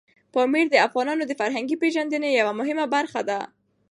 پامیر د افغانانو د فرهنګي پیژندنې یوه مهمه برخه ده.